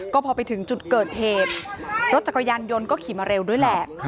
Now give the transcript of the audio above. ก็พอไปถึงจุดเกิดเหตุรถจักรยานยนต์ก็ขี่มาเร็วด้วยแหละ